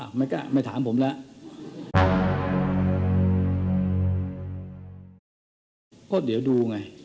ดูที่มันเกี่ยวข้องมีพยานหลักฐานตรงไหนอย่างไรนะครับ